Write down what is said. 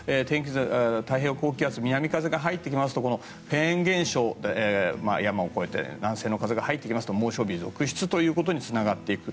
太平洋高気圧の南風が入ってきますとフェーン現象という山を越えて南西の風が入ってきますと猛暑日続出につながっていく。